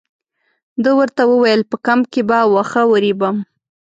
ده ورته وویل په کمپ کې به واښه ورېبم.